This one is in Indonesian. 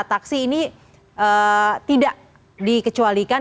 taksi ini tidak dikecualikan